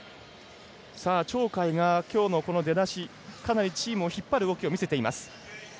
鳥海が、きょうの出だしかなりチームを引っ張る動きを見せています。